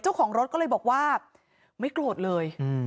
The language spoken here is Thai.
เจ้าของรถก็เลยบอกว่าไม่โกรธเลย